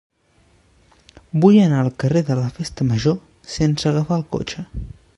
Vull anar al carrer de la Festa Major sense agafar el cotxe.